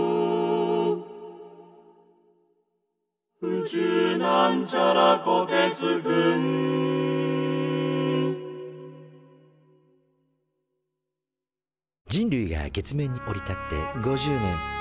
「宇宙」人類が月面に降り立って５０年。とちょっと。